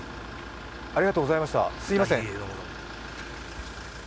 ありがとうございました、すいません。